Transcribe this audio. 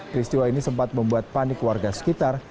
peristiwa ini sempat membuat panik warga sekitar